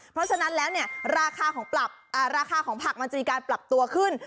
เพราะฉะนั้นแล้วเนี่ยราคาของผักมันจะมีการปรับตัวขึ้น